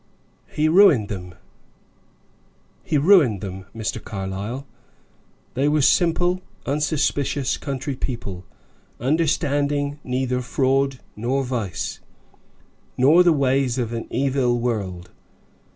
"He ruined them he ruined them, Mr. Carlyle. They were simple, unsuspicious country people, understanding neither fraud nor vice, nor the ways of an evil world.